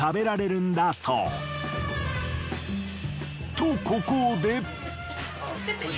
とここで。